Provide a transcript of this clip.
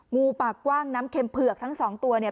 งูปากกว้างน้ำเข็มเผือกทั้งสองตัวเนี่ย